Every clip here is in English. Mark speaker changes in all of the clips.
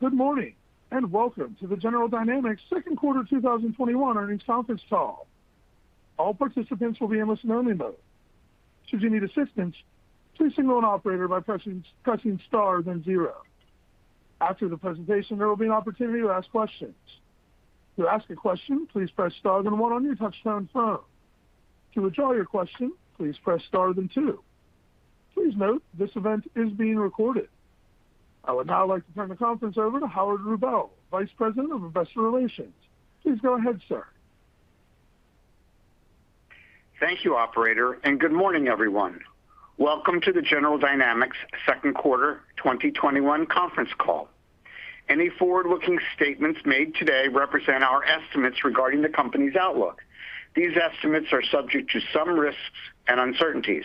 Speaker 1: Good morning, and welcome to the General Dynamics second quarter 2021 earnings conference call. All participants will be in listen-only mode. If you need assistance signal by pressing star zero. After the presentation, there will be an opportunity to ask questions to ask question press star and one on your phone to withdraw your question press star and two. Please note, this event is being recorded. I would now like to turn the conference over to Howard Rubel, Vice President of Investor Relations. Please go ahead, sir.
Speaker 2: Thank you, operator, and good morning, everyone. Welcome to the General Dynamics second quarter 2021 conference call. Any forward-looking statements made today represent our estimates regarding the company's outlook. These estimates are subject to some risks and uncertainties.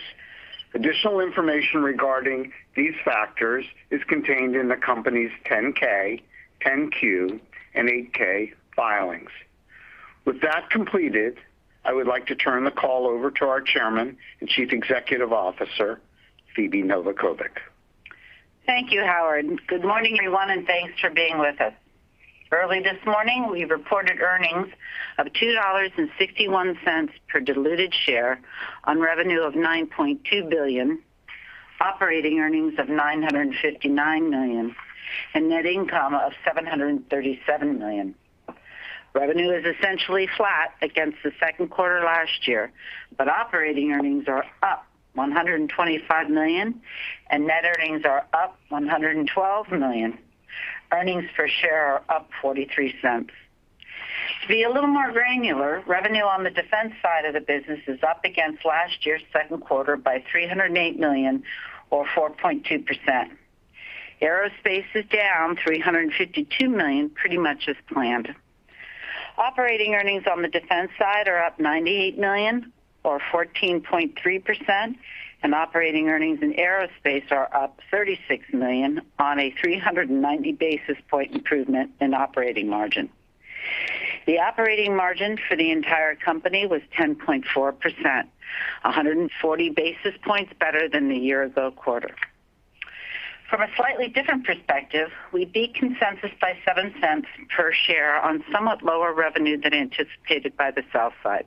Speaker 2: Additional information regarding these factors is contained in the company's 10-K, 10-Q, and 8-K filings. With that completed, I would like to turn the call over to our Chairman and Chief Executive Officer, Phebe Novakovic.
Speaker 3: Thank you, Howard. Good morning, everyone, and thanks for being with us. Early this morning, we reported earnings of $2.61 per diluted share on revenue of $9.2 billion, operating earnings of $959 million, and net income of $737 million. Revenue is essentially flat against the second quarter last year, but operating earnings are up $125 million, and net earnings are up $112 million. Earnings per share are up $0.43. To be a little more granular, revenue on the defense side of the business is up against last year's second quarter by $308 million or 4.2%. Aerospace is down $352 million, pretty much as planned. Operating earnings on the defense side are up $98 million or 14.3%, and operating earnings in Aerospace are up $36 million on a 390 basis point improvement in operating margin. The operating margin for the entire company was 10.4%, 140 basis points better than the year-ago quarter. From a slightly different perspective, we beat consensus by $0.07 per share on somewhat lower revenue than anticipated by the sell side.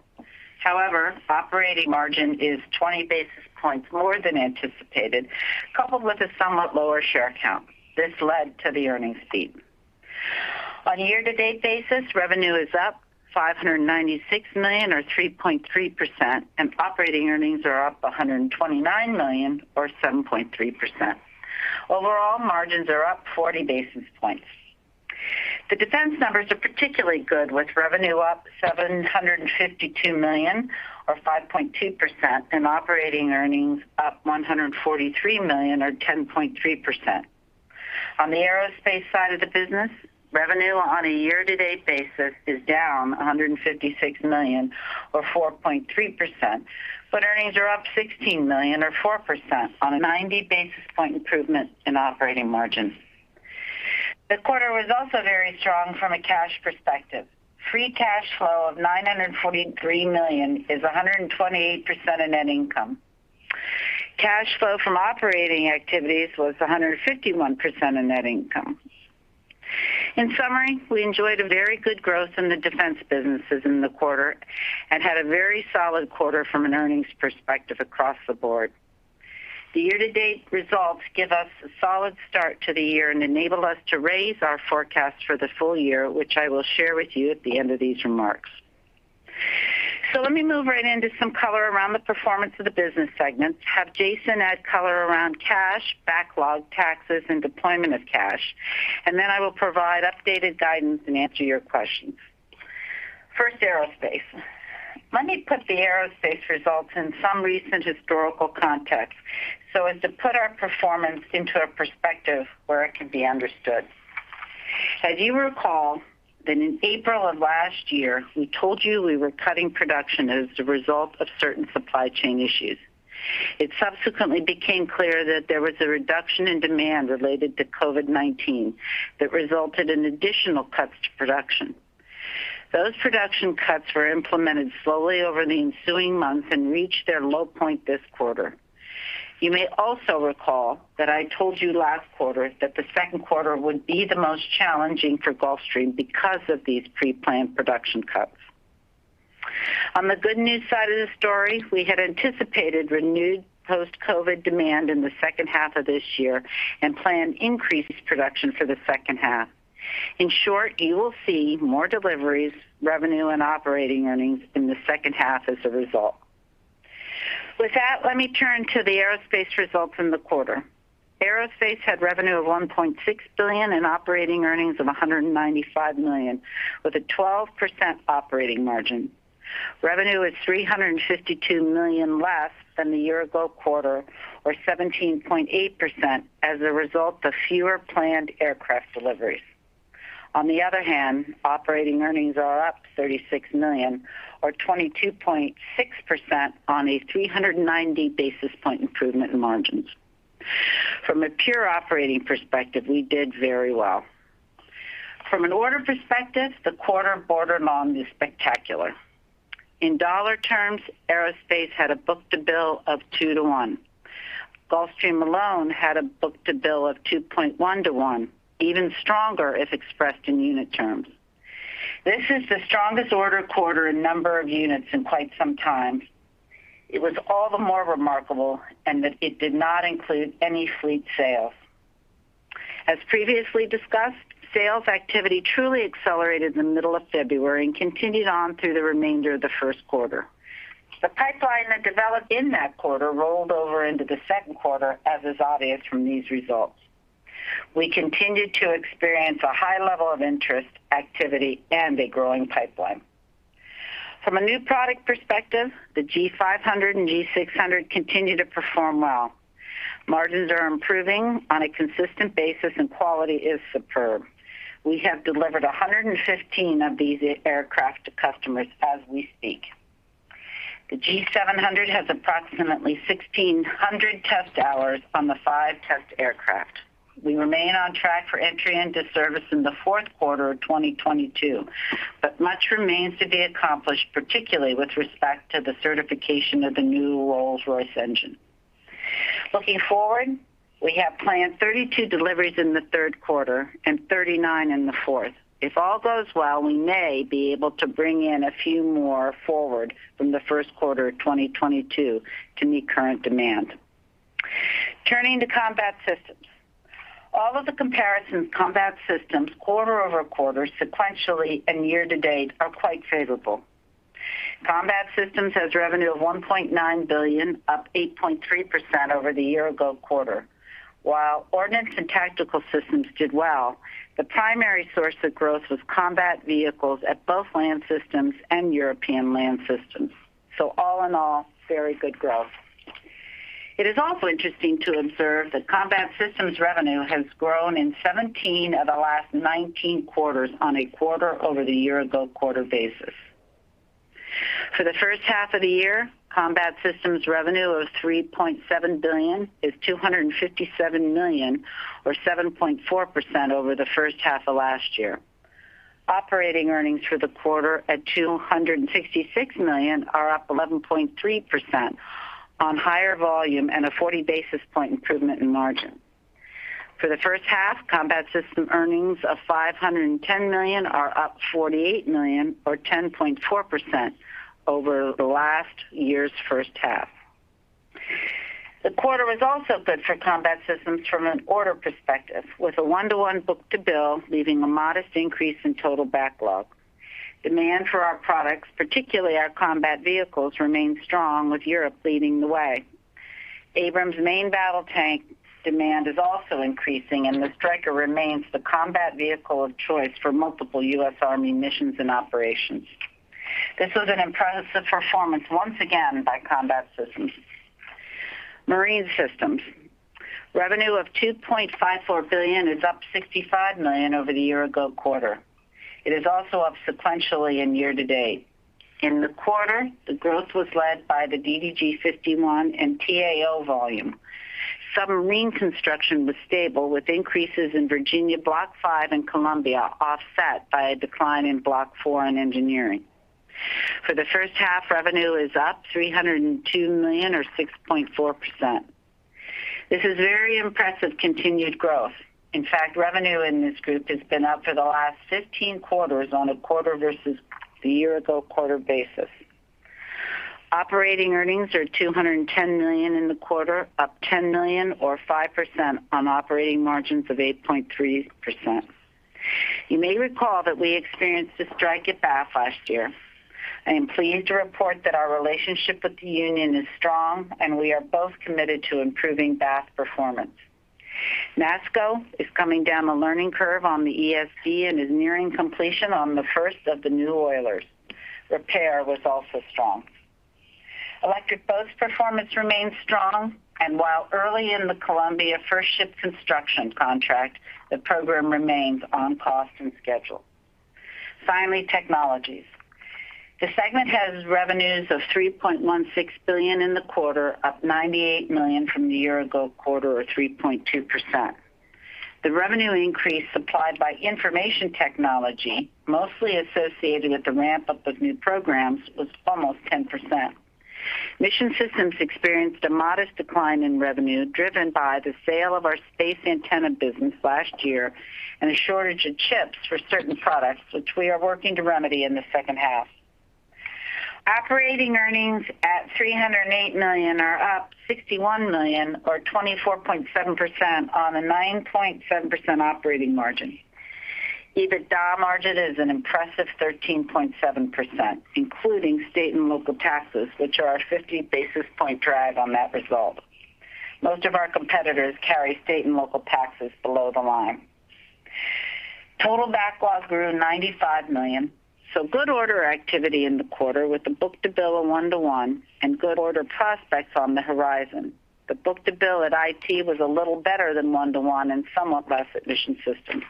Speaker 3: Operating margin is 20 basis points lower than anticipated, coupled with a somewhat lower share count. This led to the earnings beat. On a year-to-date basis, revenue is up $596 million or 3.3%, and operating earnings are up $129 million or 7.3%. Overall margins are up 40 basis points. The defense numbers are particularly good with revenue up $752 million or 5.2%, and operating earnings up $143 million or 10.3%. On the aerospace side of the business, revenue on a year-to-date basis is down $156 million or 4.3%, but earnings are up $16 million or 4% on a 90 basis point improvement in operating margin. The quarter was also very strong from a cash perspective. Free cash flow of $943 million is 128% of net income. Cash flow from operating activities was 151% of net income. In summary, we enjoyed a very good growth in the defense businesses in the quarter and had a very solid quarter from an earnings perspective across the board. The year-to-date results give us a solid start to the year and enable us to raise our forecast for the full year, which I will share with you at the end of these remarks. Let me move right into some color around the performance of the business segments, have Jason add color around cash, backlog taxes, and deployment of cash, and then I will provide updated guidance and answer your questions. First, Aerospace. Let me put the aerospace results in some recent historical context so as to put our performance into a perspective where it can be understood. As you recall, that in April of last year, we told you we were cutting production as the result of certain supply chain issues. It subsequently became clear that there was a reduction in demand related to COVID-19 that resulted in additional cuts to production. Those production cuts were implemented slowly over the ensuing months and reached their low point this quarter. You may also recall that I told you last quarter that the second quarter would be the most challenging for Gulfstream because of these pre-planned production cuts. On the good news side of the story, we had anticipated renewed post-COVID demand in the second half of this year and planned increased production for the second half. In short, you will see more deliveries, revenue, and operating earnings in the second half as a result. With that, let me turn to the Aerospace results in the quarter. Aerospace had revenue of $1.6 billion and operating earnings of $195 million, with a 12% operating margin. Revenue is $352 million less than the year-ago quarter or 17.8% as a result of fewer planned aircraft deliveries. On the other hand, operating earnings are up $36 million or 22.6% on a 390 basis point improvement in margins. From a pure operating perspective, we did very well. From an order perspective, the quarter border long is spectacular. In dollar terms, Aerospace had a book-to-bill of 2:1. Gulfstream alone had a book-to-bill of 2.1:1, even stronger if expressed in unit terms. This is the strongest order quarter in number of units in quite some time. It was all the more remarkable in that it did not include any fleet sales. As previously discussed, sales activity truly accelerated in the middle of February and continued on through the remainder of the first quarter. The pipeline that developed in that quarter rolled over into the second quarter, as is obvious from these results. We continued to experience a high level of interest, activity, and a growing pipeline. From a new product perspective, the G500 and G600 continue to perform well. Margins are improving on a consistent basis and quality is superb. We have delivered 115 of these aircraft to customers as we speak. The G700 has approximately 1,600 test hours on the five-test aircraft. We remain on track for entry into service in the fourth quarter of 2022, but much remains to be accomplished, particularly with respect to the certification of the new Rolls-Royce engine. Looking forward, we have planned 32 deliveries in the third quarter and 39 in the fourth. If all goes well, we may be able to bring in a few more forward from the first quarter of 2022 to meet current demand. Turning to Combat Systems. All of the comparisons, Combat Systems quarter-over-quarter sequentially and year-to-date are quite favorable. Combat Systems has revenue of $1.9 billion, up 8.3% over the year-ago quarter. While Ordnance and Tactical Systems did well, the primary source of growth was combat vehicles at both Land Systems and European Land Systems. All in all, very good growth. It is also interesting to observe that Combat Systems revenue has grown in 17 of the last 19 quarters on a quarter over the year-ago quarter basis. For the first half of the year, Combat Systems revenue of $3.7 billion is $257 million, or 7.4% over the first half of last year. Operating earnings for the quarter at $266 million are up 11.3% on higher volume and a 40 basis point improvement in margin. For the first half, Combat Systems earnings of $510 million are up $48 million or 10.4% over last year's first half. The quarter was also good for Combat Systems from an order perspective, with a 1:1 book-to-bill leaving a modest increase in total backlog. Demand for our products, particularly our combat vehicles, remains strong, with Europe leading the way. Abrams main battle tank demand is also increasing, and the Stryker remains the combat vehicle of choice for multiple U.S. Army missions and operations. This was an impressive performance once again by Combat Systems. Marine Systems. Revenue of $2.54 billion is up $65 million over the year-ago quarter. It is also up sequentially and year-to-date. In the quarter, the growth was led by the DDG 51 and T-AO volume. Submarine construction was stable with increases in Virginia Block V and Columbia offset by a decline in Block IV and engineering. For the first half, revenue is up $302 million or 6.4%. This is very impressive continued growth. In fact, revenue in this group has been up for the last 15 quarters on a quarter versus the year-ago quarter basis. Operating earnings are $210 million in the quarter, up $10 million or 5% on operating margins of 8.3%. You may recall that we experienced a strike at Bath last year. I am pleased to report that our relationship with the union is strong, and we are both committed to improving Bath performance. NASSCO is coming down the learning curve on the ESB and is nearing completion on the first of the new oilers. Repair was also strong. Electric Boat's performance remains strong, and while early in the Columbia first ship construction contract, the program remains on cost and schedule. Finally, Technologies. The segment has revenues of $3.16 billion in the quarter, up $98 million from the year-ago quarter or 3.2%. The revenue increase supplied by information technology, mostly associated with the ramp-up of new programs, was almost 10%. Mission Systems experienced a modest decline in revenue driven by the sale of our space antenna business last year and a shortage of chips for certain products, which we are working to remedy in the second half. Operating earnings at $308 million are up $61 million or 24.7% on a 9.7% operating margin. EBITDA margin is an impressive 13.7%, including state and local taxes, which are our 50 basis point drag on that result. Most of our competitors carry state and local taxes below the line. Total backlogs grew $95 million. Good order activity in the quarter with a book-to-bill of 1:1 and good order prospects on the horizon. The book-to-bill at IT was a little better than 1:1 and somewhat less at Mission Systems.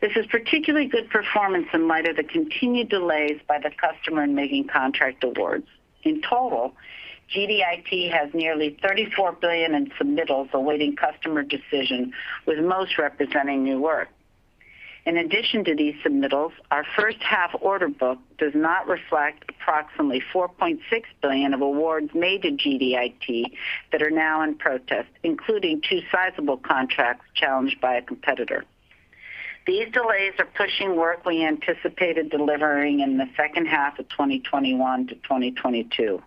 Speaker 3: This is particularly good performance in light of the continued delays by the customer in making contract awards. In total, GDIT has nearly $34 billion in submittals awaiting customer decision, with most representing new work. In addition to these submittals, our first-half order book does not reflect approximately $4.6 billion of awards made to GDIT that are now in protest, including two sizable contracts challenged by a competitor. These delays are pushing work we anticipated delivering in the second half of 2021 to 2022.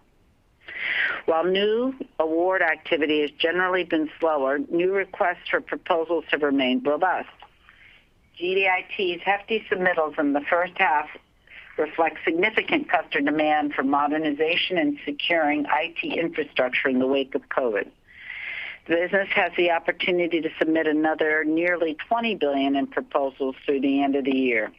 Speaker 3: While new award activity has generally been slower, new requests for proposals have remained robust. GDIT's hefty submittals in the first half reflect significant customer demand for modernization and securing IT infrastructure in the wake of COVID. The business has the opportunity to submit another nearly $20 billion in proposals through the end of the year.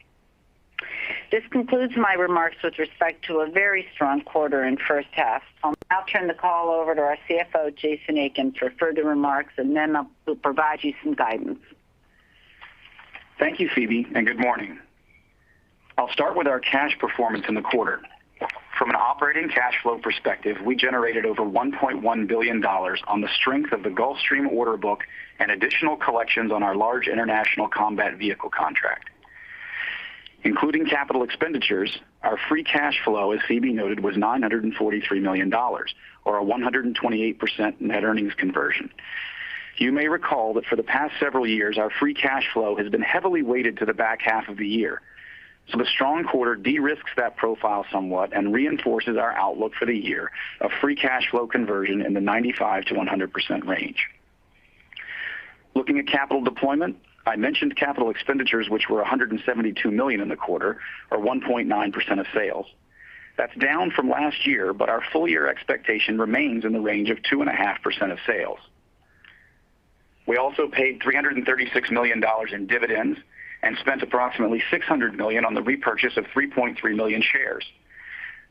Speaker 3: This concludes my remarks with respect to a very strong quarter and first half. I'll now turn the call over to our CFO, Jason Aiken, for further remarks, and then he'll provide you some guidance.
Speaker 4: Thank you, Phebe, and good morning. I will start with our cash performance in the quarter. From an operating cash flow perspective, we generated over $1.1 billion on the strength of the Gulfstream order book and additional collections on our large international combat vehicle contract. Including capital expenditures, our free cash flow, as Phebe noted, was $943 million, or a 128% net earnings conversion you may recall for the past several years a free cash flow has been heavily weighted to the back half of the year. The strong quarter de-risks that profile somewhat and reinforces our outlook for the year of free cash flow conversion in the 95%-100% range. Looking at capital deployment, I mentioned capital expenditures, which were $172 million in the quarter, or 1.9% of sales. That is down from last year, but our full-year expectation remains in the range of 2.5% of sales. We also paid $336 million in dividends and spent approximately $600 million on the repurchase of 3.3 million shares.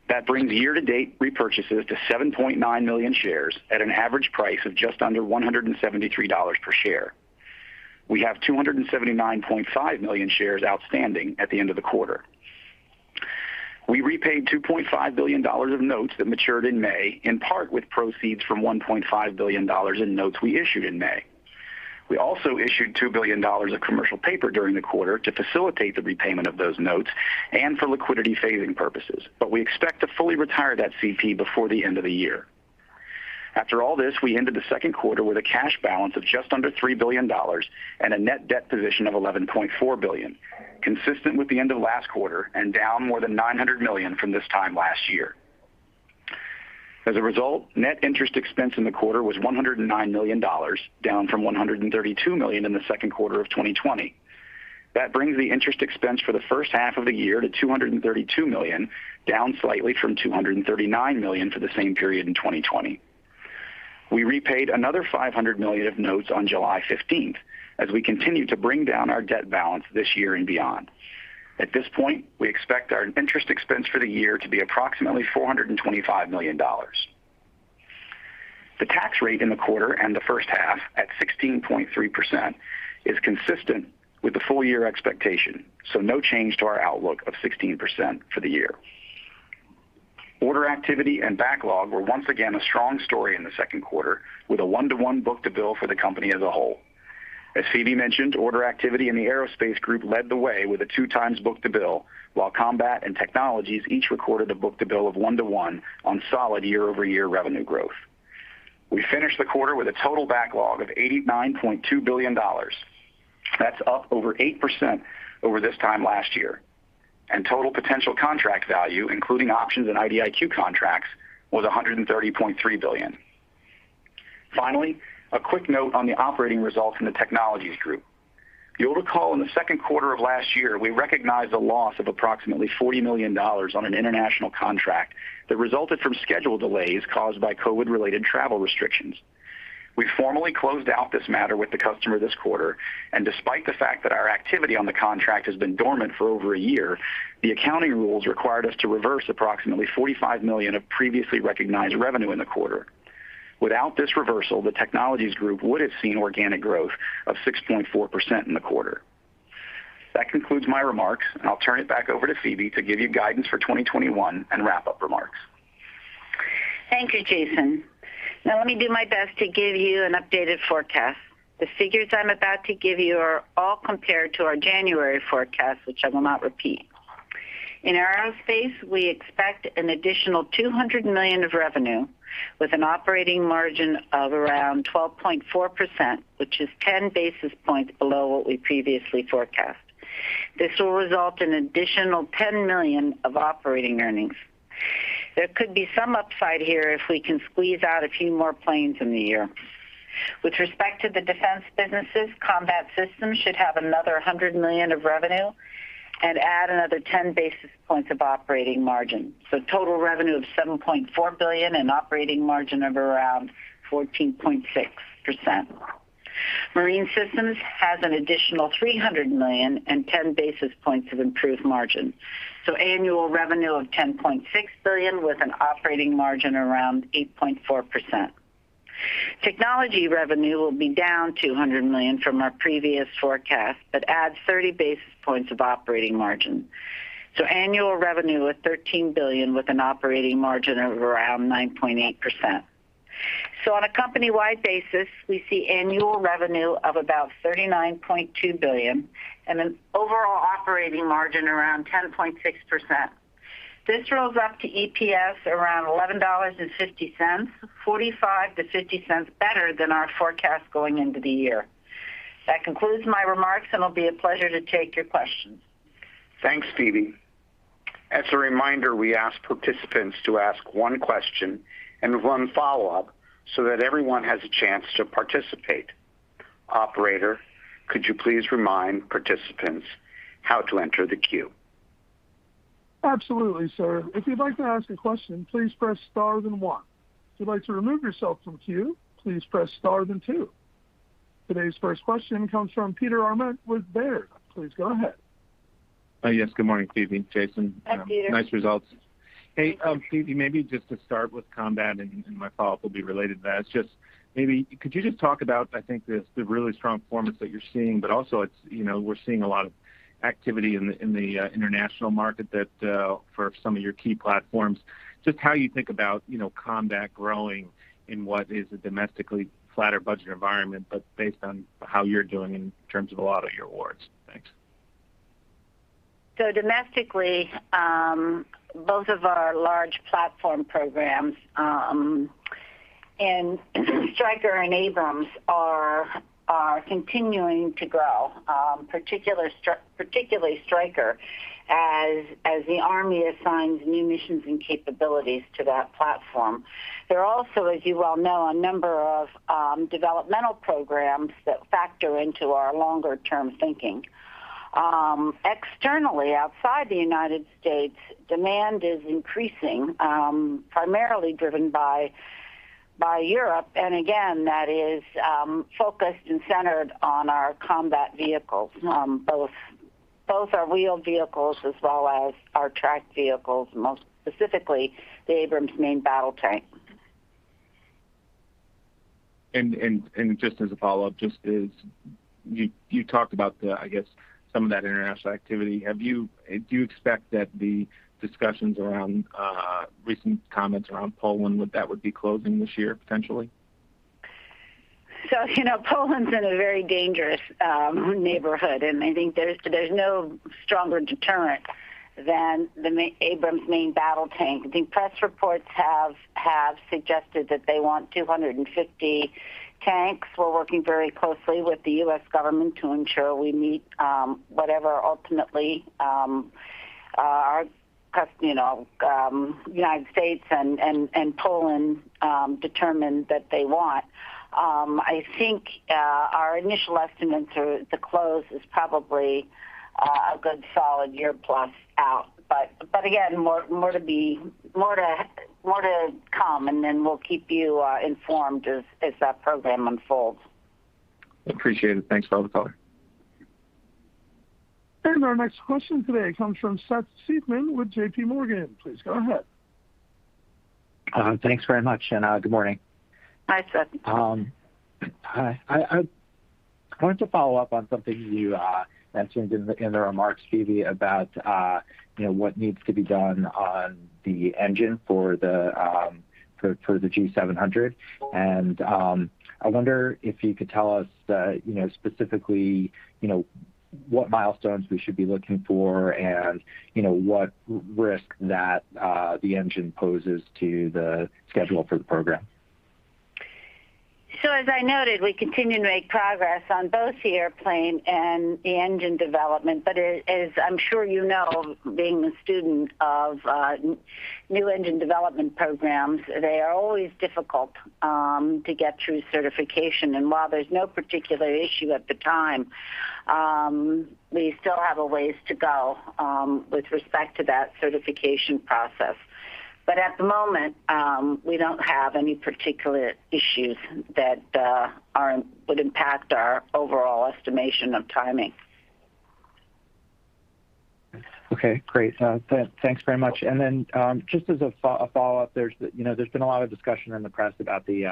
Speaker 4: That brings year-to-date repurchases to 7.9 million shares at an average price of just under $173 per share. We have 279.5 million shares outstanding at the end of the quarter. We repaid $2.5 billion of notes that matured in May, in part with proceeds from $1.5 billion in notes we issued in May. We also issued $2 billion of commercial paper during the quarter to facilitate the repayment of those notes and for liquidity phasing purposes. We expect to fully retire that CP before the end of the year. After all this, we ended the second quarter with a cash balance of just under $3 billion and a net debt position of $11.4 billion, consistent with the end of last quarter and down more than $900 million from this time last year. As a result, net interest expense in the quarter was $109 million, down from $132 million in the second quarter of 2020. That brings the interest expense for the first half of the year to $232 million, down slightly from $239 million for the same period in 2020. We repaid another $500 million of notes on July 15th as we continue to bring down our debt balance this year and beyond. At this point, we expect our interest expense for the year to be approximately $425 million. The tax rate in the quarter and the first half at 16.3% is consistent with the full-year expectation, so no change to our outlook of 16% for the year. Order activity and backlog were once again a strong story in the second quarter with a 1:1 book-to-bill for the company as a whole. As Phebe mentioned, order activity in the aerospace group led the way with a 2x book-to-bill, while Combat and Technologies each recorded a book-to-bill of 1:1 on solid year-over-year revenue growth. We finished the quarter with a total backlog of $89.2 billion. That's up over 8% over this time last year. Total potential contract value, including options and IDIQ contracts, was $130.3 billion. A quick note on the operating results in the Technologies group. You'll recall in the second quarter of last year, we recognized a loss of approximately $40 million on an international contract that resulted from schedule delays caused by COVID-related travel restrictions. We formally closed out this matter with the customer this quarter, and despite the fact that our activity on the contract has been dormant for over a year, the accounting rules required us to reverse approximately $45 million of previously recognized revenue in the quarter. Without this reversal, the Technologies Group would have seen organic growth of 6.4% in the quarter. That concludes my remarks, and I'll turn it back over to Phebe to give you guidance for 2021 and wrap-up remarks.
Speaker 3: Thank you, Jason. Let me do my best to give you an updated forecast. The figures I'm about to give you are all compared to our January forecast, which I will not repeat. In aerospace, we expect an additional $200 million of revenue with an operating margin of around 12.4%, which is 10 basis points below what we previously forecast. This will result in additional $10 million of operating earnings. There could be some upside here if we can squeeze out a few more planes in the year. With respect to the defense businesses, Combat Systems should have another $100 million of revenue and add another 10 basis points of operating margin. Total revenue of $7.4 billion and operating margin of around 14.6%. Marine Systems has an additional $300 million and 10 basis points of improved margin. Annual revenue of $10.6 billion with an operating margin around 8.4%. Technology revenue will be down $200 million from our previous forecast, but adds 30 basis points of operating margin. Annual revenue of $13 billion with an operating margin of around 9.8%. On a company-wide basis, we see annual revenue of about $39.2 billion and an overall operating margin around 10.6%. This rolls up to EPS around $11.50, $0.45 to $0.50 better than our forecast going into the year. That concludes my remarks, and it'll be a pleasure to take your questions.
Speaker 2: Thanks, Phebe. As a reminder, we ask participants to ask one question and one follow-up so that everyone has a chance to participate. Operator, could you please remind participants how to enter the queue?
Speaker 1: Absolutely, sir. If you would like to ask question press star and one If you would like to remove yourself from the queue press star and two. Today's first question comes from Peter Arment with Baird. Please go ahead.
Speaker 5: Yes. Good morning, Phebe and Jason.
Speaker 3: Hi, Peter.
Speaker 5: Nice results.
Speaker 3: Thank you.
Speaker 5: Hey, Phebe, maybe just to start with Combat. My follow-up will be related to that. Could you just talk about, I think, the really strong performance that you're seeing. Also, we're seeing a lot of activity in the international market for some of your key platforms. How you think about Combat growing in what is a domestically flatter budget environment, based on how you're doing in terms of a lot of your awards. Thanks.
Speaker 3: Domestically, both of our large platform programs, Stryker and Abrams, are continuing to grow, particularly Stryker, as the Army assigns new missions and capabilities to that platform. There are also, as you well know, a number of developmental programs that factor into our longer-term thinking. Externally, outside the U.S., demand is increasing, primarily driven by Europe. Again, that is focused and centered on our combat vehicles, both our wheeled vehicles as well as our tracked vehicles, most specifically the Abrams main battle tank.
Speaker 5: Just as a follow-up, just as you talked about the, I guess, some of that international activity, do you expect that the discussions around recent comments around Poland, that would be closing this year potentially?
Speaker 3: Poland's in a very dangerous neighborhood, and I think there's no stronger deterrent than the Abrams main battle tank. I think press reports have suggested that they want 250 tanks. We're working very closely with the U.S. government to ensure we meet whatever ultimately the U.S. and Poland determine that they want. I think our initial estimate to close is probably a good solid one year plus out. Again, more to come, we'll keep you informed as that program unfolds.
Speaker 5: Appreciate it. Thanks for all the color.
Speaker 1: Our next question today comes from Seth Seifman with JPMorgan. Please go ahead.
Speaker 6: Thanks very much, and good morning.
Speaker 3: Hi, Seth.
Speaker 6: Hi. I wanted to follow up on something you mentioned in the remarks, Phebe, about what needs to be done on the engine for the G700. I wonder if you could tell us, specifically, what milestones we should be looking for and what risk that the engine poses to the schedule for the program.
Speaker 3: As I noted, we continue to make progress on both the airplane and the engine development. As I'm sure you know, being a student of new engine development programs, they are always difficult to get through certification. While there's no particular issue at the time, we still have a ways to go with respect to that certification process. At the moment, we don't have any particular issues that would impact our overall estimation of timing.
Speaker 6: Okay, great. Thanks very much. Just as a follow-up, there's been a lot of discussion in the press about the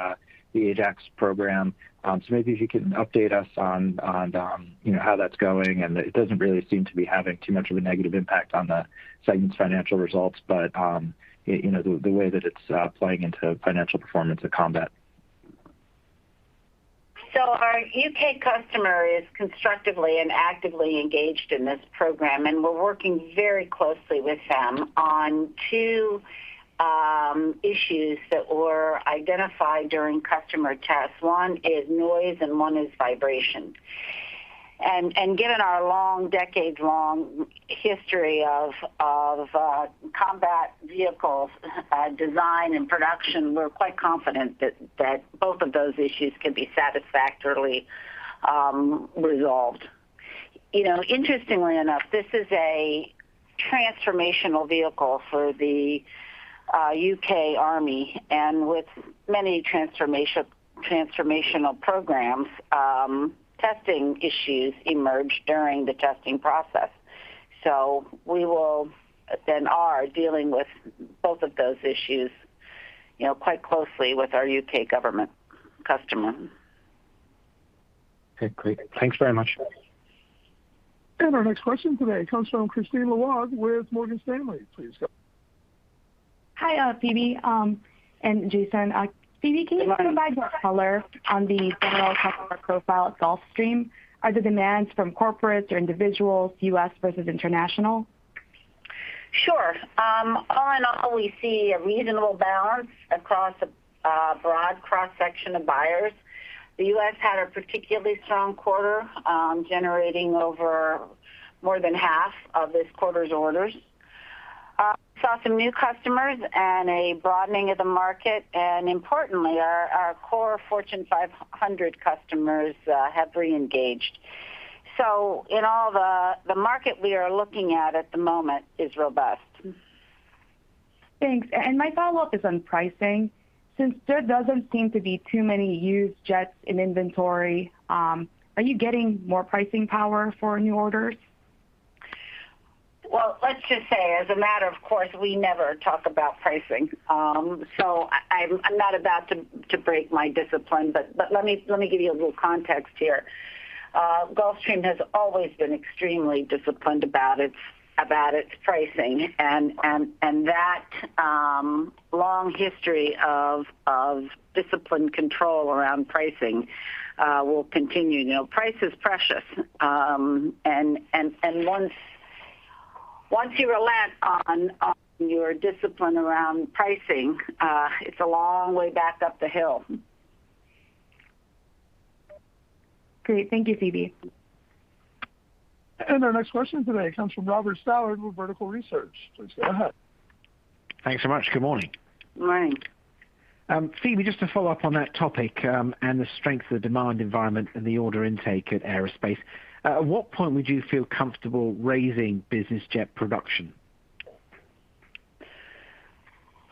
Speaker 6: Ajax program. Maybe if you can update us on how that's going, and it doesn't really seem to be having too much of a negative impact on the segment's financial results, but the way that it's playing into financial performance at Combat.
Speaker 3: Our U.K. customer is constructively and actively engaged in this program, and we're working very closely with them on two issues that were identified during customer tests. One is noise and one is vibration. Given our decades-long history of combat vehicles design and production, we're quite confident that both of those issues can be satisfactorily resolved. Interestingly enough, this is a transformational vehicle for the British Army, and with many transformational programs, testing issues emerge during the testing process. We are dealing with both of those issues quite closely with our U.K. government customer.
Speaker 6: Okay, great. Thanks very much.
Speaker 1: Our next question today comes from Kristine Liwag with Morgan Stanley. Please go.
Speaker 7: Hi, Phebe and Jason. Phebe, can you provide more color on the general customer profile at Gulfstream? Are the demands from corporates or individuals, U.S. versus international?
Speaker 3: Sure. All in all, we see a reasonable balance across a broad cross-section of buyers. The U.S. had a particularly strong quarter, generating over more than half of this quarter's orders. Saw some new customers and a broadening of the market. Importantly, our core Fortune 500 customers have re-engaged. In all, the market we are looking at at the moment is robust.
Speaker 7: Thanks. My follow-up is on pricing. Since there doesn't seem to be too many used jets in inventory, are you getting more pricing power for new orders?
Speaker 3: Well, let's just say, as a matter of course, we never talk about pricing. I'm not about to break my discipline, but let me give you a little context here. Gulfstream has always been extremely disciplined about its pricing, and that long history of disciplined control around pricing will continue. Price is precious, and once you relax on your discipline around pricing, it's a long way back up the hill.
Speaker 7: Great. Thank you, Phebe.
Speaker 1: Our next question today comes from Robert Stallard with Vertical Research. Please go ahead.
Speaker 8: Thanks so much. Good morning.
Speaker 3: Morning.
Speaker 8: Phebe, just to follow up on that topic and the strength of the demand environment and the order intake at Aerospace, at what point would you feel comfortable raising business jet production?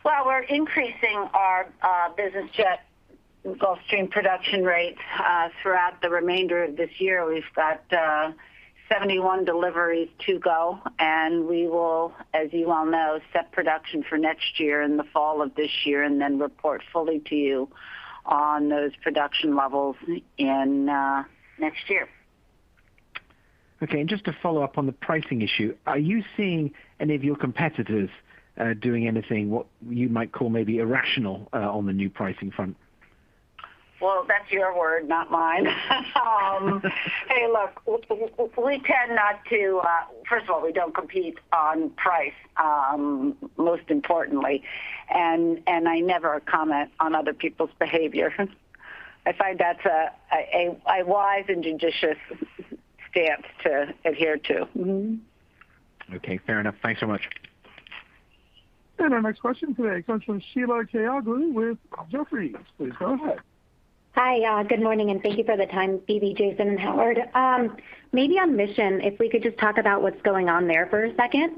Speaker 3: Well, we're increasing our business jet Gulfstream production rates throughout the remainder of this year. We've got 71 deliveries to go, and we will, as you well know, set production for next year in the fall of this year, and then report fully to you on those production levels in next year.
Speaker 8: Okay, just to follow up on the pricing issue, are you seeing any of your competitors doing anything, what you might call maybe irrational on the new pricing front?
Speaker 3: Well, that's your word, not mine. Hey, look, First of all, we don't compete on price, most importantly, and I never comment on other people's behavior. I find that's a wise and judicious stance to adhere to.
Speaker 8: Okay, fair enough. Thanks so much.
Speaker 1: Our next question today comes from Sheila Kahyaoglu with Jefferies. Please go ahead.
Speaker 9: Hi. Good morning, and thank you for the time, Phebe, Jason, and Howard. Maybe on Mission, if we could just talk about what's going on there for a second.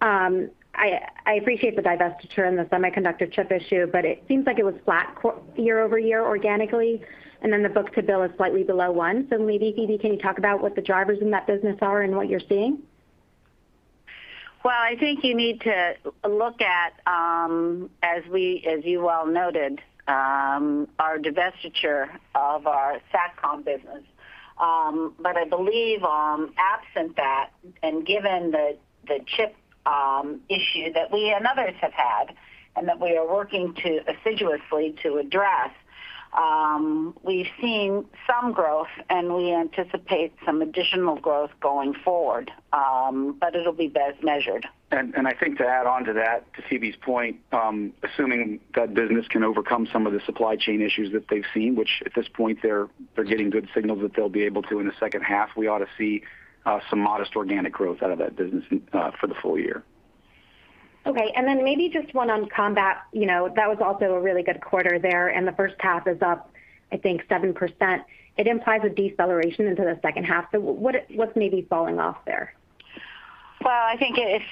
Speaker 9: I appreciate the divestiture and the semiconductor chip issue, but it seems like it was flat year-over-year organically, and then the book-to-bill is slightly below one. Maybe, Phebe, can you talk about what the drivers in that business are and what you're seeing?
Speaker 3: Well, I think you need to look at, as you well noted, our divestiture of our SATCOM business. But I believe, absent that, and given the chip issue that we and others have had, and that we are working assiduously to address, we've seen some growth, and we anticipate some additional growth going forward. But it'll be best measured.
Speaker 4: I think to add onto that, to Phebe's point, assuming that business can overcome some of the supply chain issues that they've seen, which at this point they're getting good signals that they'll be able to in the second half, we ought to see some modest organic growth out of that business for the full year.
Speaker 9: Okay. Maybe just one on Combat. That was also a really good quarter there. The first half is up, I think 7%. It implies a deceleration into the second half. What's maybe falling off there?
Speaker 3: Well, I think it's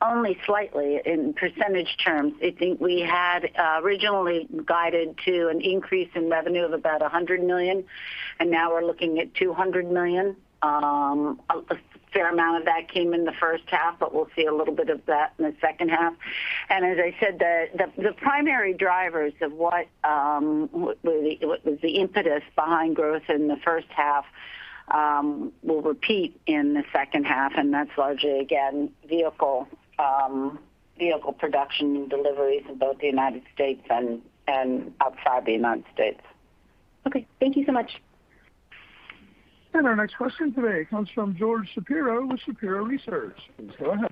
Speaker 3: only slightly in percentage terms. I think we had originally guided to an increase in revenue of about $100 million, and now we're looking at $200 million. A fair amount of that came in the first half, but we'll see a little bit of that in the second half. As I said, the primary drivers of what was the impetus behind growth in the first half will repeat in the second half, and that's largely, again, vehicle production deliveries in both the U.S. and outside the U.S.
Speaker 9: Okay. Thank you so much.
Speaker 1: Our next question today comes from George Shapiro with Shapiro Research. Please go ahead.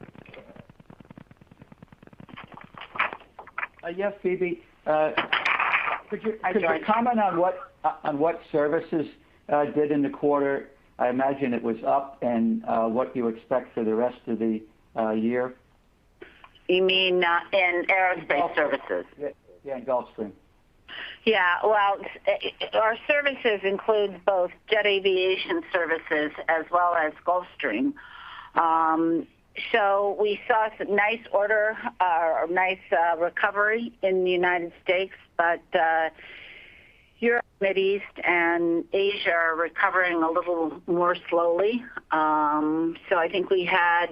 Speaker 10: Yes, Phebe.
Speaker 3: I'm sorry.
Speaker 10: comment on what services did in the quarter? I imagine it was up, and what you expect for the rest of the year?
Speaker 3: You mean in Aerospace services?
Speaker 10: Yeah, in Gulfstream.
Speaker 3: Yeah. Well, our services includes both Jet Aviation services as well as Gulfstream. We saw some nice recovery in the U.S., Europe, Mideast, and Asia are recovering a little more slowly. I think we had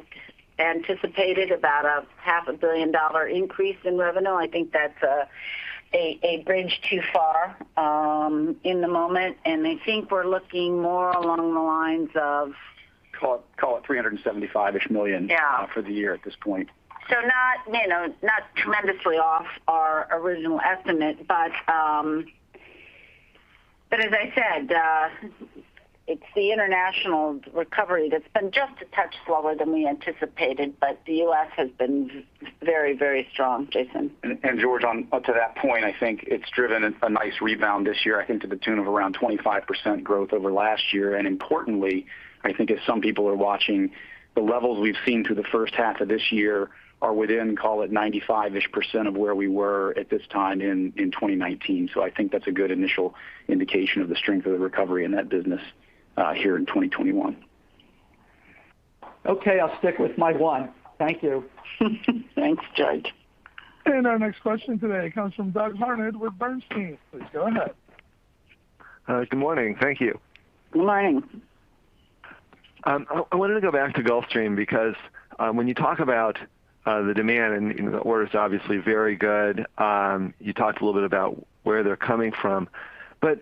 Speaker 3: anticipated about a $500 million increase in revenue. I think that's a bridge too far in the moment, and I think we're looking more along the lines of.
Speaker 4: Call it $375-ish million.
Speaker 3: Yeah
Speaker 4: for the year at this point.
Speaker 3: Not tremendously off our original estimate, but as I said, it's the international recovery that's been just a touch slower than we anticipated, but the U.S. has been very strong, Jason.
Speaker 4: George, on to that point, I think it's driven a nice rebound this year, I think to the tune of around 25% growth over last year. Importantly, I think as some people are watching, the levels we've seen through the first half of this year are within call it 95%-ish of where we were at this time in 2019. I think that's a good initial indication of the strength of the recovery in that business, here in 2021.
Speaker 10: Okay. I'll stick with my one. Thank you.
Speaker 3: Thanks, George.
Speaker 1: Our next question today comes from Doug Harned with Bernstein. Please go ahead.
Speaker 11: Good morning. Thank you.
Speaker 3: Good morning.
Speaker 11: I wanted to go back to Gulfstream because when you talk about the demand and the order's obviously very good. You talked a little bit about where they're coming from, but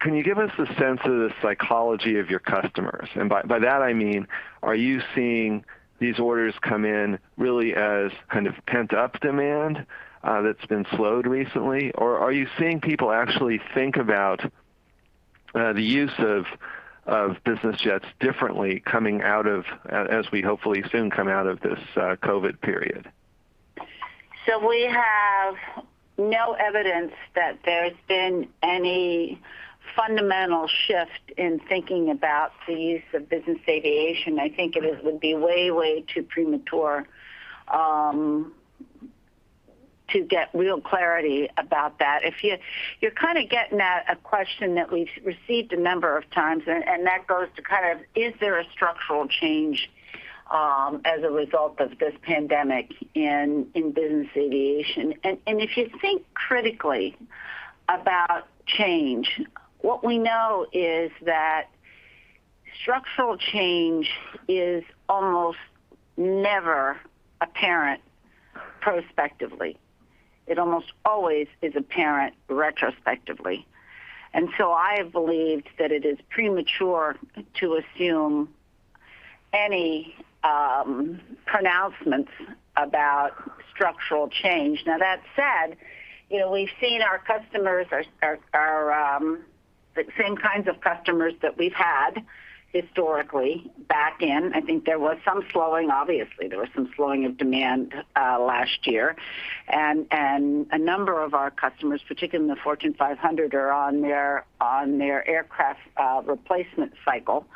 Speaker 11: can you give us the sense of the psychology of your customers? By that I mean, are you seeing these orders come in really as kind of pent-up demand that's been slowed recently? Are you seeing people actually think about the use of business jets differently coming out of, as we hopefully soon come out of this COVID period?
Speaker 3: We have no evidence that there's been any fundamental shift in thinking about the use of business aviation. I think it would be way too premature to get real clarity about that. You're kind of getting at a question that we've received a number of times, and that goes to kind of, is there a structural change as a result of this pandemic in business aviation? If you think critically about change, what we know is that structural change is almost never apparent prospectively. It almost always is apparent retrospectively. I have believed that it is premature to assume any pronouncements about structural change. Now that said, we've seen our customers are the same kinds of customers that we've had historically I think there was some slowing, obviously, there was some slowing of demand last year. A number of our customers, particularly in the Fortune 500, are on their aircraft replacement cycle,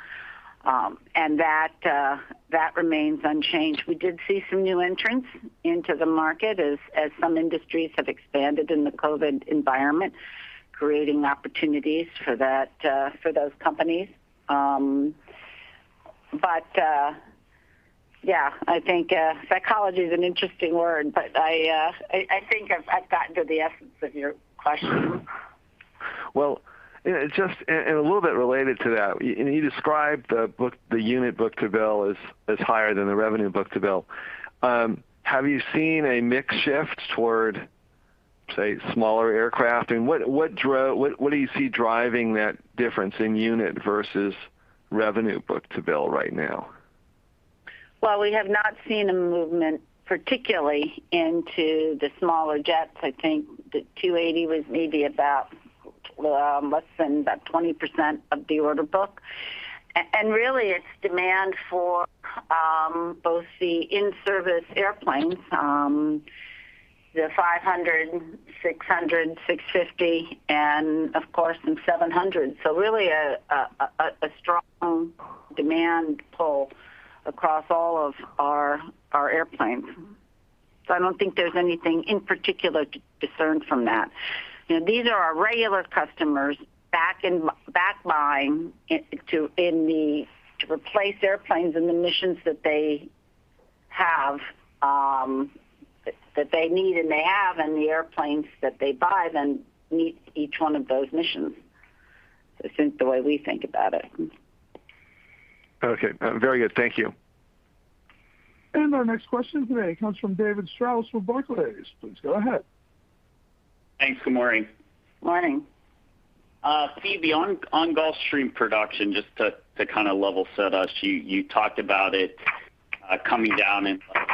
Speaker 3: and that remains unchanged. We did see some new entrants into the market as some industries have expanded in the COVID environment, creating opportunities for those companies. Yeah, I think psychology is an interesting word, but I think I've gotten to the essence of your question.
Speaker 11: Well, a little bit related to that, you described the unit book-to-bill as higher than the revenue book-to-bill. Have you seen a mix shift toward, say, smaller aircraft? What do you see driving that difference in unit versus revenue book-to-bill right now?
Speaker 3: Well, we have not seen a movement particularly into the smaller jets. I think the G280 was maybe about less than about 20% of the order book. Really, it's demand for both the in-service airplanes, the 500, 600, 650, and, of course, some 700s. Really a strong demand pull across all of our airplanes. I don't think there's anything in particular to discern from that. These are our regular customers backline to replace airplanes and the missions that they need and they have, and the airplanes that they buy then meets each one of those missions. That's the way we think about it.
Speaker 11: Okay. Very good. Thank you.
Speaker 1: Our next question today comes from David Strauss with Barclays. Please go ahead.
Speaker 12: Thanks. Good morning.
Speaker 3: Morning.
Speaker 12: Phebe, on Gulfstream production, just to kind of level set us, you talked about it coming down in front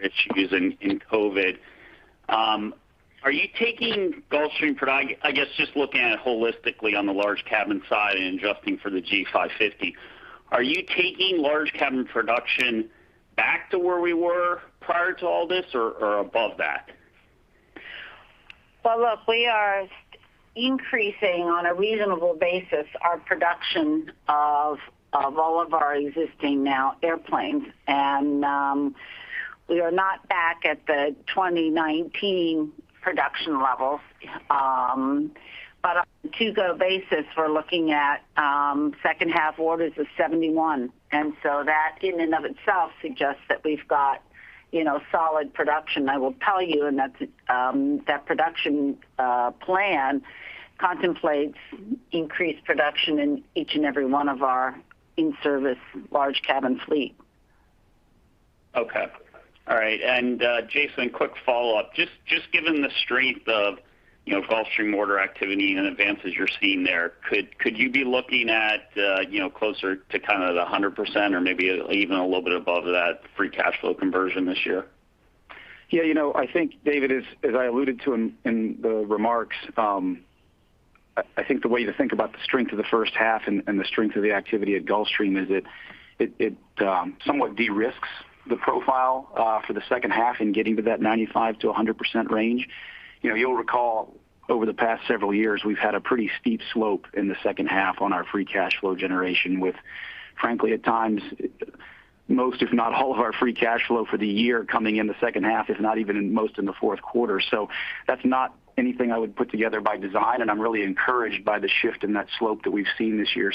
Speaker 12: of buyer issues in COVID. I guess just looking at it holistically on the large cabin side and adjusting for the G550, are you taking large cabin production back to where we were prior to all this or above that?
Speaker 3: Well, look, we are increasing on a reasonable basis our production of all of our existing now airplanes. We are not back at the 2019 production levels. On a to-go basis, we're looking at second half orders of 71. That in and of itself suggests that we've got solid production. I will tell you, and that production plan contemplates increased production in each and every one of our in-service large cabin fleet.
Speaker 12: Okay. All right. Jason, quick follow-up. Just given the strength of Gulfstream order activity and advances you're seeing there, could you be looking at closer to kind of the 100% or maybe even a little bit above that free cash flow conversion this year?
Speaker 4: I think, David, as I alluded to in the remarks, I think the way to think about the strength of the first half and the strength of the activity at Gulfstream is it somewhat de-risks the profile for the second half in getting to that 95%-100% range. You'll recall over the past several years, we've had a pretty steep slope in the second half on our free cash flow generation with, frankly, at times, most, if not all of our free cash flow for the year coming in the second half, if not even in most in the fourth quarter. That's not anything I would put together by design, and I'm really encouraged by the shift in that slope that we've seen this year.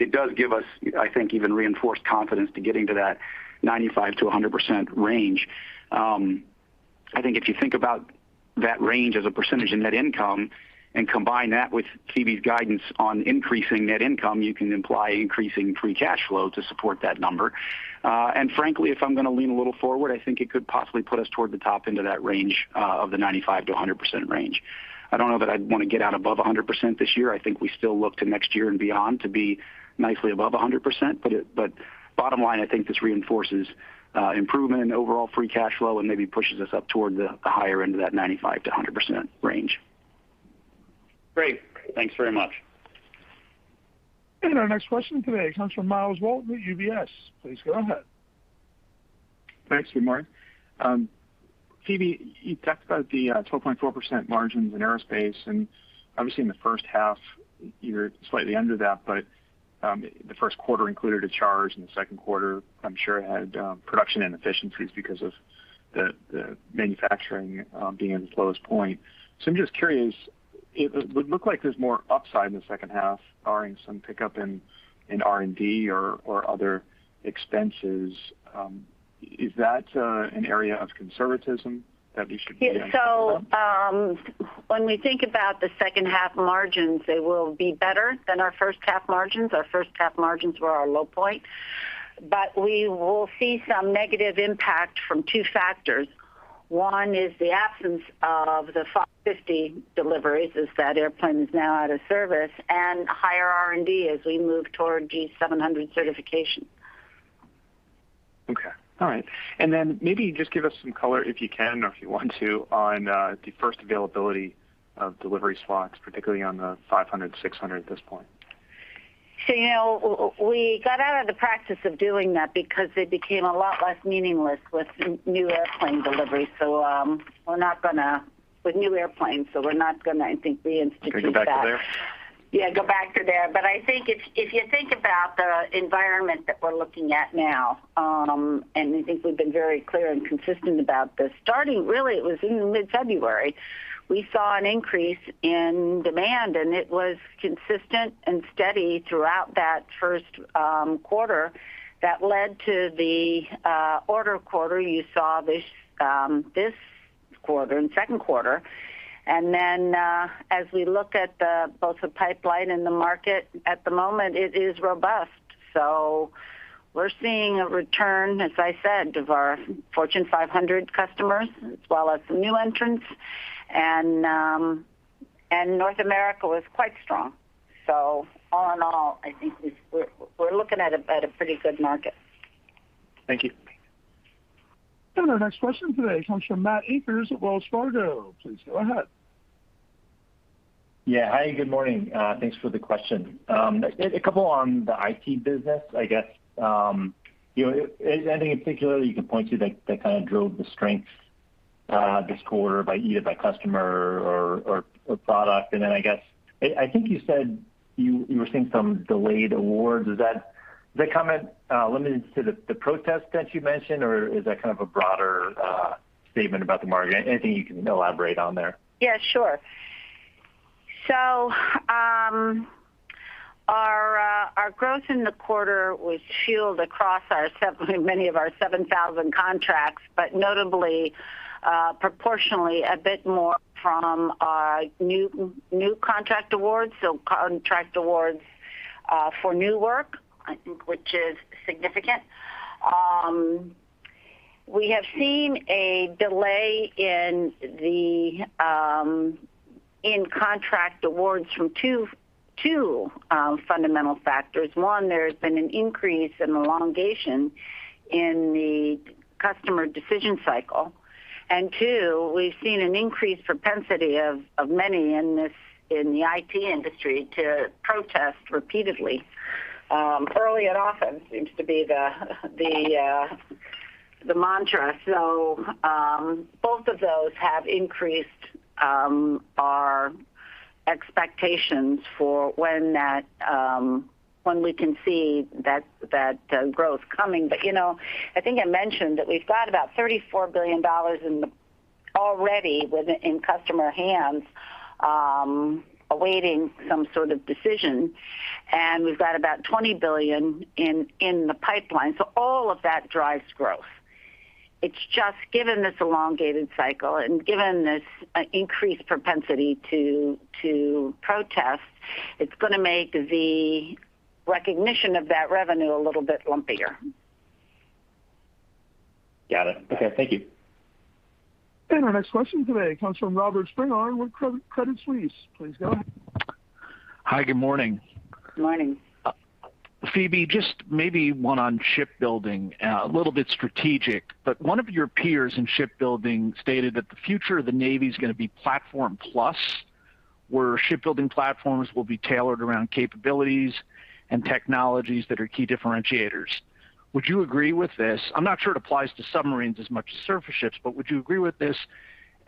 Speaker 4: It does give us, I think, even reinforced confidence to getting to that 95%-100% range. I think if you think about that range as a % in net income and combine that with Phebe Novakovic's guidance on increasing net income, you can imply increasing free cash flow to support that number. Frankly, if I'm going to lean a little forward, I think it could possibly put us toward the top end of that range, of the 95%-100% range. I don't know that I'd want to get out above 100% this year. I think we still look to next year and beyond to be nicely above 100%. Bottom line, I think this reinforces improvement in overall free cash flow and maybe pushes us up toward the higher end of that 95%-100% range.
Speaker 12: Great. Thanks very much.
Speaker 1: Our next question today comes from Myles Walton with UBS. Please go ahead.
Speaker 13: Thanks. Good morning. Phebe, you talked about the 12.4% margins in aerospace, and obviously in the first half, you're slightly under that, but the first quarter included a charge, and the second quarter I'm sure had production inefficiencies because of the manufacturing being at the lowest point. I'm just curious, it would look like there's more upside in the second half barring some pickup in R&D or other expenses. Is that an area of conservatism that we should be-
Speaker 3: When we think about the second half margins, they will be better than our first half margins. Our first half margins were our low point. We will see some negative impact from two factors. One is the absence of the G550 deliveries, as that airplane is now out of service, and higher R&D as we move toward G700 certification.
Speaker 13: Okay. All right. Maybe just give us some color if you can or if you want to, on the first availability of delivery spots, particularly on the 500, 600 at this point?
Speaker 3: We got out of the practice of doing that because it became a lot less meaningless with new airplane deliveries. We're not going to, with new airplanes, I think, reinstitute that.
Speaker 13: Go back to there?
Speaker 3: Yeah, go back to there. I think if you think about the environment that we're looking at now, and I think we've been very clear and consistent about this, starting really it was in mid-February, we saw an increase in demand, and it was consistent and steady throughout that first quarter. That led to the order quarter you saw this quarter, in the second quarter. Then, as we look at both the pipeline and the market at the moment, it is robust. We're seeing a return, as I said, of our Fortune 500 customers as well as some new entrants. North America was quite strong. All in all, I think we're looking at a pretty good market.
Speaker 13: Thank you.
Speaker 1: Our next question today comes from Matthew Akers at Wells Fargo. Please go ahead.
Speaker 14: Yeah. Hi, good morning. Thanks for the question. A couple on the IT business, I guess. Is there anything in particular you can point to that kind of drove the strength this quarter by either by customer or product? I guess, I think you said you were seeing some delayed awards. Is that comment limited to the protest that you mentioned, or is that kind of a broader statement about the market? Anything you can elaborate on there?
Speaker 3: Yeah, sure. Our growth in the quarter was fueled across many of our 7,000 contracts, but notably, proportionally a bit more from our new contract awards, so contract awards for new work, I think, which is significant. We have seen a delay in contract awards from two fundamental factors. One, there has been an increase in elongation in the customer decision cycle. Two, we've seen an increased propensity of many in the IT industry to protest repeatedly. Early and often seems to be the mantra. Both of those have increased our expectations for when we can see that growth coming. I think I mentioned that we've got about $34 billion already in customer hands, awaiting some sort of decision. We've got about $20 billion in the pipeline. All of that drives growth. It's just given this elongated cycle and given this increased propensity to protest, it's going to make the recognition of that revenue a little bit lumpier.
Speaker 14: Got it. Okay. Thank you.
Speaker 1: Our next question today comes from Robert Spingarn with Credit Suisse. Please go ahead.
Speaker 15: Hi. Good morning.
Speaker 3: Good morning.
Speaker 15: Phebe, just maybe one on shipbuilding. A little bit strategic, but one of your peers in shipbuilding stated that the future of the Navy's going to be Platform+, where shipbuilding platforms will be tailored around capabilities and technologies that are key differentiators. Would you agree with this? I'm not sure it applies to submarines as much as surface ships, but would you agree with this,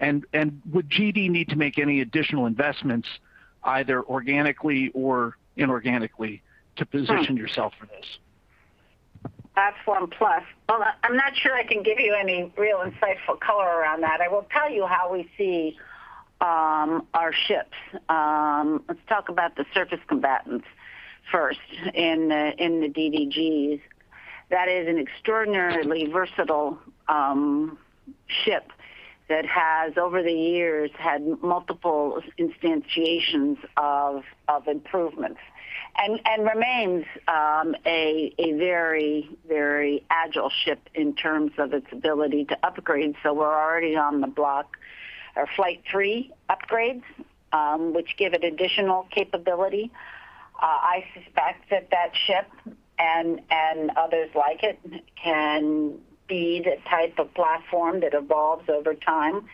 Speaker 15: and would GD need to make any additional investments, either organically or inorganically, to position- Yourself for this?
Speaker 3: Well, I'm not sure I can give you any real insightful color around that. I will tell you how we see our ships. Let's talk about the surface combatants first, the DDGs. That is an extraordinarily versatile ship that has, over the years, had multiple instantiations of improvements and remains a very agile ship in terms of its ability to upgrade. We're already on the block, or Flight III upgrades, which give it additional capability. I suspect that that ship, and others like it, can be the type of platform that evolves over time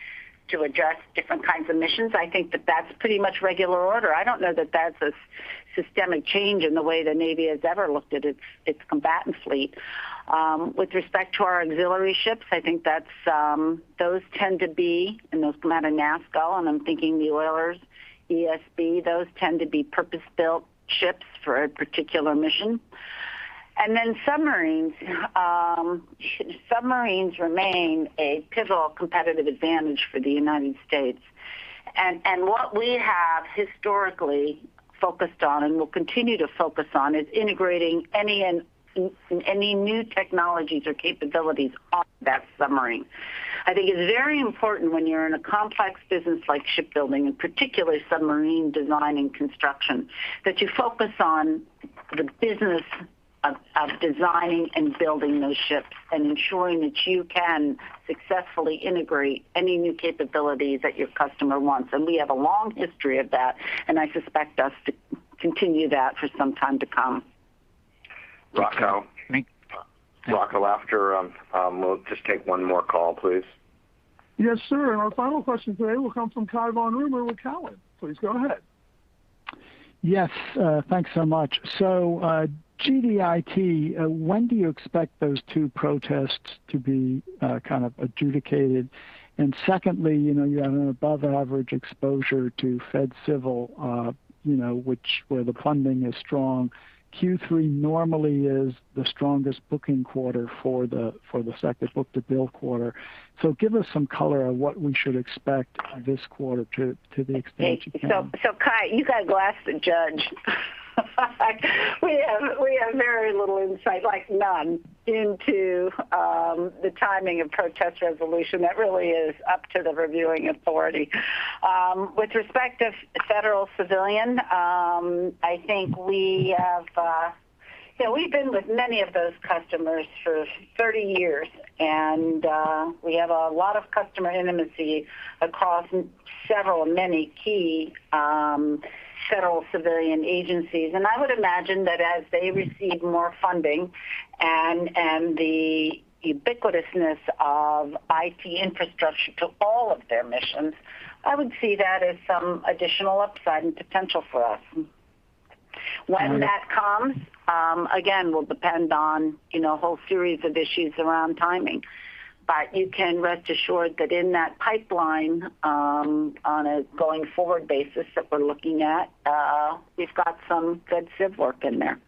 Speaker 3: to address different kinds of missions. I think that that's pretty much regular order. I don't know that that's a systemic change in the way the Navy has ever looked at its combatant fleet. With respect to our auxiliary ships, I think those tend to be, and those come out of NAVSEA, and I'm thinking the oilers, ESB, those tend to be purpose-built ships for a particular mission. Submarines. Submarines remain a pivotal competitive advantage for the United States. What we have historically focused on, and will continue to focus on, is integrating any new technologies or capabilities on that submarine. I think it's very important when you're in a complex business like shipbuilding, and particularly submarine design and construction, that you focus on the business of designing and building those ships and ensuring that you can successfully integrate any new capabilities that your customer wants. We have a long history of that, and I suspect us to continue that for some time to come.
Speaker 2: Rocco.
Speaker 15: Thank you.
Speaker 2: Rocco, after, we'll just take one more call, please.
Speaker 1: Yes, sir. Our final question today will come from Cai von Rumohr with Cowen. Please go ahead.
Speaker 16: Yes. Thanks so much. GDIT, when do you expect those two protests to be adjudicated? Secondly, you have an above-average exposure to fed civil, where the funding is strong. Q3 normally is the strongest booking quarter for the sector, book-to-bill quarter. Give us some color on what we should expect this quarter to the extent you can.
Speaker 3: Cai, you got a glass a judge. We have very little insight, like none, into the timing of protest resolution. That really is up to the reviewing authority. With respect to federal civilian, we've been with many of those customers for 30 years, and we have a lot of customer intimacy across several, many key federal civilian agencies. I would imagine that as they receive more funding and the ubiquitousness of IT infrastructure to all of their missions, I would see that as some additional upside and potential for us. When that comes, again, will depend on a whole series of issues around timing. You can rest assured that in that pipeline, on a going-forward basis that we're looking at, we've got some good civ work in there.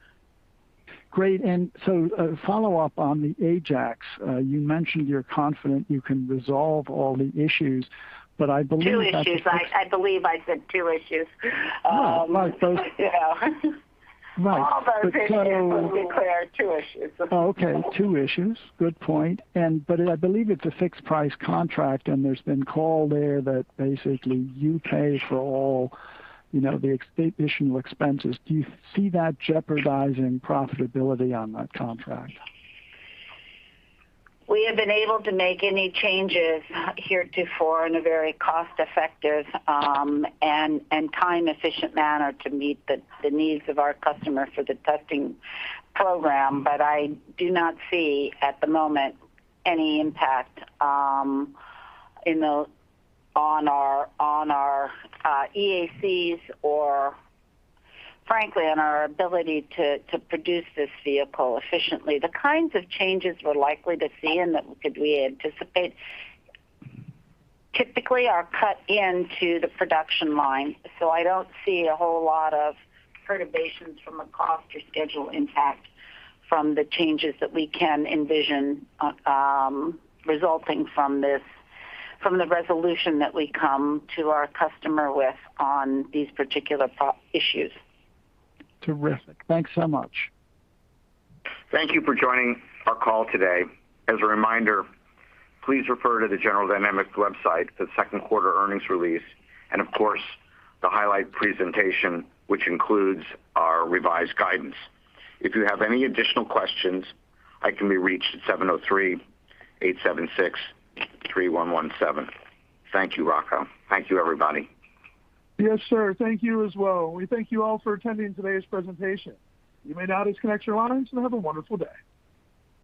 Speaker 16: Great. A follow-up on the Ajax. You mentioned you're confident you can resolve all the issues.
Speaker 3: Two issues. I believe I said two issues.
Speaker 16: No. Right.
Speaker 3: Yeah.
Speaker 16: Right.
Speaker 3: All those issues was declared two issues.
Speaker 16: Oh, okay. Two issues. Good point. I believe it's a fixed price contract, and there's been call there that basically you pay for all the additional expenses. Do you see that jeopardizing profitability on that contract?
Speaker 3: We have been able to make any changes heretofore in a very cost-effective and time-efficient manner to meet the needs of our customer for the testing program. I do not see, at the moment, any impact on our EACs or frankly, on our ability to produce this vehicle efficiently. The kinds of changes we're likely to see and that we could anticipate typically are cut into the production line. I don't see a whole lot of perturbations from a cost or schedule impact from the changes that we can envision resulting from the resolution that we come to our customer with on these particular issues.
Speaker 16: Terrific. Thanks so much.
Speaker 2: Thank you for joining our call today. As a reminder, please refer to the General Dynamics website, the second quarter earnings release, and of course, the highlight presentation, which includes our revised guidance. If you have any additional questions, I can be reached at 703-876-3117. Thank you, Rocco. Thank you, everybody.
Speaker 1: Yes, sir. Thank you as well. We thank you all for attending today's presentation. You may now disconnect your lines, and have a wonderful day.